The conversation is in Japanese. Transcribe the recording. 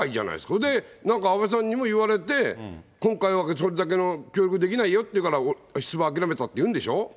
それで、なんか安倍さんにも言われて、今回はそれだけの協力できないよっていうから、出馬諦めたっていうんでしょう。